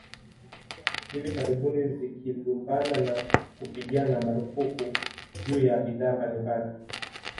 Hivi karibuni zikilumbana na kupigana marufuku juu ya bidhaa mbalimbali